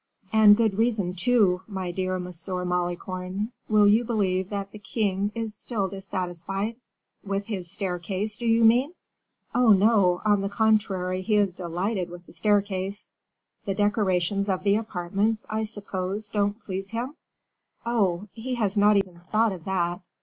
"And good reason too, my dear Monsieur Malicorne. Will you believe that the king is still dissatisfied?" "With his staircase, do you mean?" "Oh, no; on the contrary, he is delighted with the staircase." "The decorations of the apartments, I suppose, don't please him." "Oh! he has not even thought of that.